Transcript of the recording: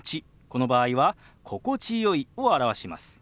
この場合は「心地よい」を表します。